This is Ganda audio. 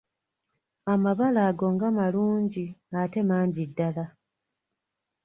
Amabala ago nga malungi ate mangi ddala!